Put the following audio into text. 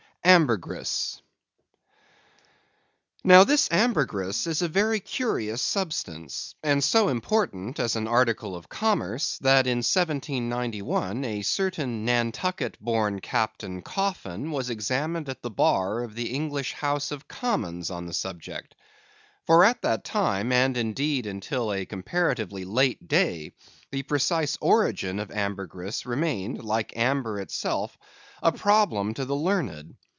Ambergris. Now this ambergris is a very curious substance, and so important as an article of commerce, that in 1791 a certain Nantucket born Captain Coffin was examined at the bar of the English House of Commons on that subject. For at that time, and indeed until a comparatively late day, the precise origin of ambergris remained, like amber itself, a problem to the learned.